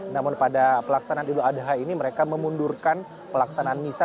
namun pada pelaksanaan idul adha ini mereka memundurkan pelaksanaan misa